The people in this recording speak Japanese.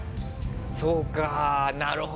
そうかなるほど。